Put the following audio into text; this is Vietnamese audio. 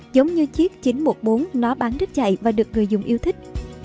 giống như chiếc chín trăm một mươi bốn nó bán rất chạy và được người dùng yêu thích